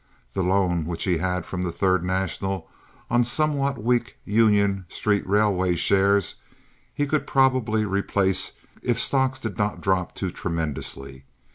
The loan which he had from the Third National, on somewhat weak Union Street Railway shares he could probably replace if stocks did not drop too tremendously.